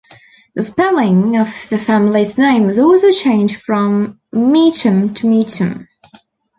The spelling of the family's name was also changed from Meecham to Meechum.